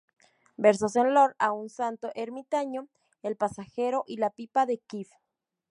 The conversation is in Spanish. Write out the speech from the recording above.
Versos en loor a un santo ermitaño", "El pasajero" y "La pipa de kif".